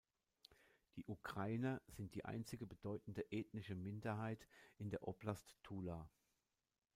Die Ukrainer sind die einzige bedeutende ethnische Minderheit in der Oblast Tula.